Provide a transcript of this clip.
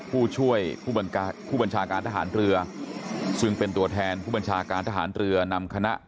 ผู้ช่วยผู้บัญชาการทหารเรือซึ่งเป็นตัวแทนผู้บัญชาการทหารเรือนำคณะ